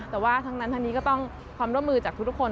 แต่ว่าทั้งนั้นทั้งนี้ก็ต้องความร่วมมือจากทุกคน